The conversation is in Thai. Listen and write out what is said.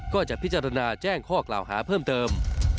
ก็จะพิจารณาแจ้งข้อกล่าวหาเพิ่มเติม